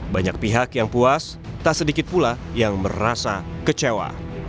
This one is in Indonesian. banyak pihak yang puas tak sedikit pula yang merasa kecewa